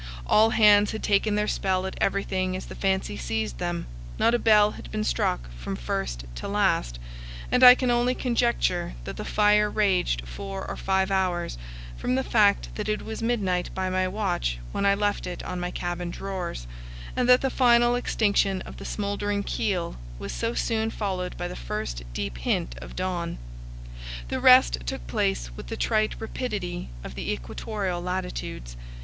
All hands had taken their spell at everything as the fancy seized them; not a bell had been struck from first to last; and I can only conjecture that the fire raged four or five hours, from the fact that it was midnight by my watch when I left it on my cabin drawers, and that the final extinction of the smouldering keel was so soon followed by the first deep hint of dawn. The rest took place with the trite rapidity of the equatorial latitudes.